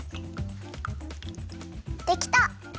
できた！